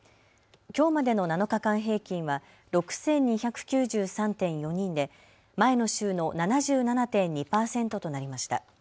きょうまでの７日間平均は６２９３．４人で前の週の７７．２％となりました。